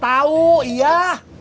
tahu dari siapa